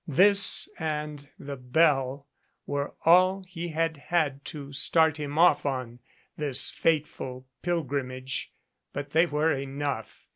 This and the bell were all 326 THE BRASS BELL he had had to start him off on this fateful pilgrimage. But they were enough.